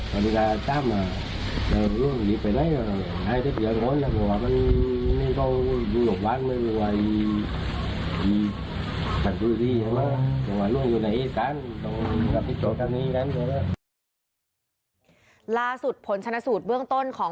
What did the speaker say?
พระโยชน์มีปากเสียงกับพระรูปนั้นแหละ